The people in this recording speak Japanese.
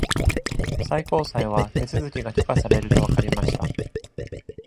最高裁は手続きが許可されるとわかりました。